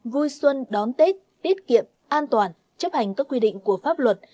vui xuân đón tết tiết kiệm an toàn chấp hành các quy định của pháp luật